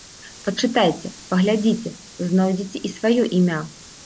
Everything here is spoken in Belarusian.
Пачытайце, паглядзіце, знойдзеце і сваё імя.